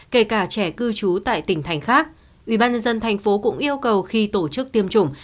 kể cả trẻ cư trú tại tỉnh thành khác ubnd tp cũng yêu cầu khi tổ chức tiêm chủng